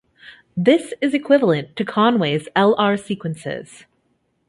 This is equivalent to Conway's L-R sequences.